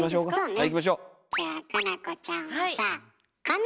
はい。